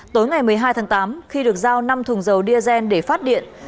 tối một mươi hai tháng tám khi được giao năm thùng dầu diesel để phát điện